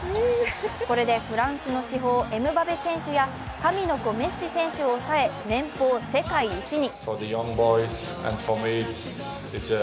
これでフランスの至宝、エムバペ選手や神の子メッシ選手を抑え年俸世界一に。